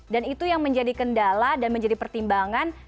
dan itu yang menjadi kendala dan menjadi pertimbangan